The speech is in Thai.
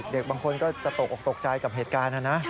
บางคนก็จะตกออกตกใจกับเหตุการณ์นะนะ